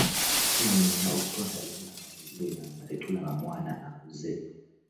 Tulinza okutwala ebbanga eriwera nga tetunalaba mwana abuzze.